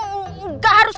ngomong dulu kan baru noel